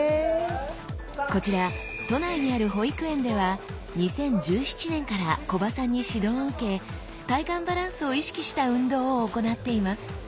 こちら都内にある保育園では２０１７年から木場さんに指導を受け体幹バランスを意識した運動を行っています。